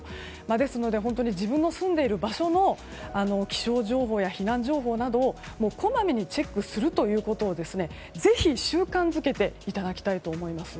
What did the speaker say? ですので自分の住んでいる場所の気象情報や避難情報などをこまめにチェックするということをぜひ習慣づけていただきたいと思います。